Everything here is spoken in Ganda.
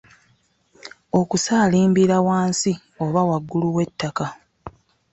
Okusaalimbira wansi oba waggulu w’ettaka.